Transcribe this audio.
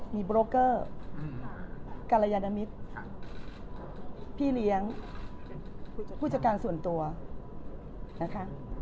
มีโบรกเกอร์กรยานมิตรพี่เลี้ยงผู้จัดการส่วนตัวนะคะ